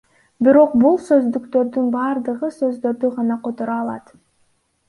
Бирок бул сөздүктөрдүн баардыгы сөздөрдү гана которо алат.